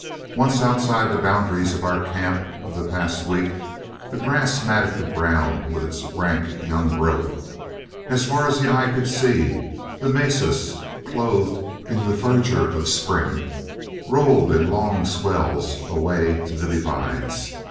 Once outside the boundaries of our camp of the past week, the grass matted the ground with its rank young growth. As far as the eye could see, the mesas, clothed in the verdure of spring, rolled in long swells away to the divides.